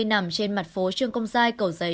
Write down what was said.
nằm trên mặt phố trương công giai cầu giấy